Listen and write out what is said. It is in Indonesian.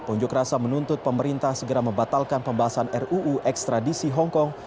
unjuk rasa menuntut pemerintah segera membatalkan pembahasan ruu ekstradisi hongkong